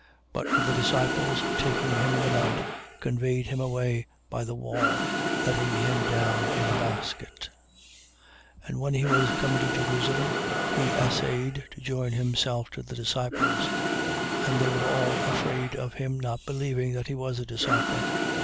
9:25. But the disciples, taking him in the night, conveyed him away by the wall, letting him down in a basket. 9:26. And when he was come into Jerusalem, he essayed to join himself to the disciples: and they all were afraid of him, not believing that he was a disciple.